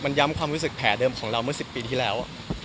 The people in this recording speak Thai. มันย้ำความรู้สึกแผลเดิมของเราเมื่อ๑๐ปีที่แล้ว